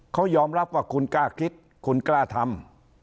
เขายอมรับว่าคุณกล้าคิดคุณกล้าทำ